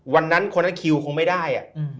วันนั้นคนละคิวคงไม่ได้